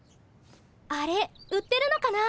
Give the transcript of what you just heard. あれ売ってるのかな？